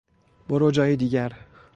برو جای دیگر.